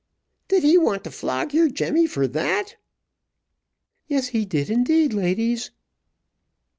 "Did he want to flog your Jemmy for that?" "Yes, he did indeed, ladies."